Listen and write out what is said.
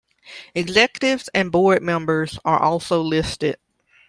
Executives and board members are also listed.